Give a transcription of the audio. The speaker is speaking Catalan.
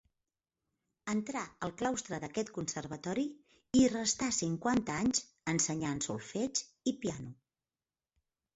Entrà al claustre d'aquest conservatori i hi restà cinquanta anys ensenyant solfeig i piano.